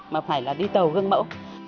mà phải là đi tàu gương mẫu